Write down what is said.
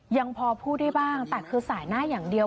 ยังพอพูดได้บ้างแต่คือสายหน้าอย่างเดียว